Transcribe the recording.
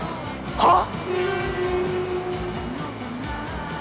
はっ。